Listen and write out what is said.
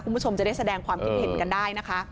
คุณผู้ชมจะได้แสดงความคิดเห็นกันได้นะคะ